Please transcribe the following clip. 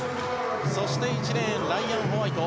そして１レーンライアン・ホワイト。